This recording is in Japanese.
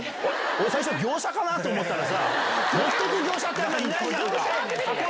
俺、最初、業者かなと思ったらさ、持ってく業者ってあんまいないじゃんか。